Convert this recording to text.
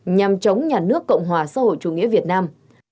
nhằm chống nhà nước cộng hòa xã hội chủ nghĩa việt nam